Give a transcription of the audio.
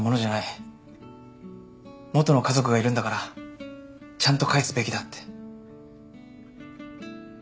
元の家族がいるんだからちゃんと返すべきだって。